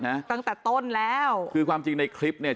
ตั้งแต่ต้นแล้วคือความจริงในคลิปเนี้ย